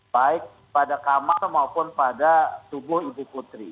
baik pada kamar maupun pada tubuh ibu putri